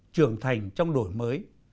trưởng thành trong đổi mới